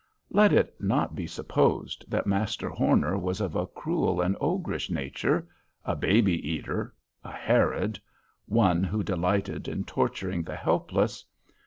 Let it not be supposed that Master Horner was of a cruel and ogrish nature—a babe eater—a Herod—one who delighted in torturing the helpless.